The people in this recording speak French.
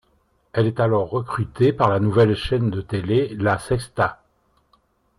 Elle est alors recrutée par la nouvelle chaîne de télé La Sexta.